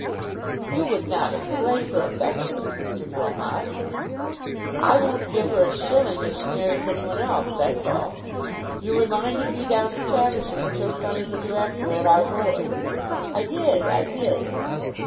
"You would not enslave her affections, Mr. Melmotte?" "I won't give her a shilling if she marries any one else; that's all. You reminded me down at Caversham that your son is a Director at our Board." "I did; I did."